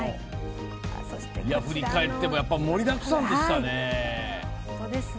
振り返っても盛りだくさんでしたね。